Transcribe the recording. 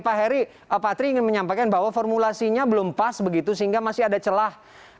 pak heri pak tri ingin menyampaikan bahwa formulasinya belum pas begitu sehingga masih ada celah